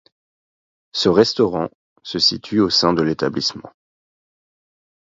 Ce restaurant se situe au sein de l’établissement.